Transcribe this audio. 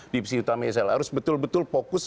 divisi utama isla harus betul betul fokus